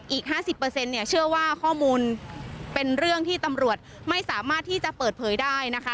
อีก๕๐เนี่ยเชื่อว่าข้อมูลเป็นเรื่องที่ตำรวจไม่สามารถที่จะเปิดเผยได้นะคะ